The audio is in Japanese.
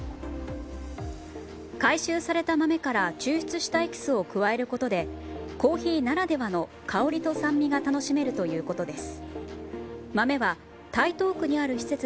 回収された豆から抽出したエキスを加えることでコーヒーならではの香りと酸味が楽しめるということです。